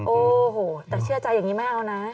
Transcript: โอ้โหแต่เชื่อใจอย่างนี้ไม่เอานะ